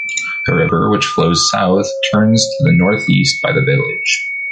The river, which flows south, turns to the north-east by the village.